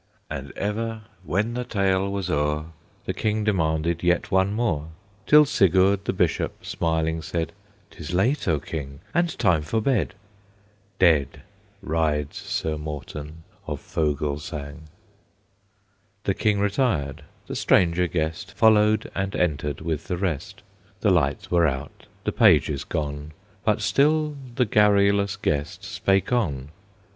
And ever, when the tale was o'er, The King demanded yet one more; Till Sigurd the Bishop smiling said, "'Tis late, O King, and time for bed." Dead rides Sir Morten of Fogelsang. The King retired; the stranger guest Followed and entered with the rest; The lights were out, the pages gone, But still the garrulous guest spake on.